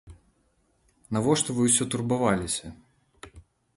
Навошта вы ўсё турбаваліся?